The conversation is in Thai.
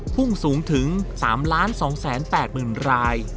พุ่งสูงถึง๓๒๘๐๐๐ราย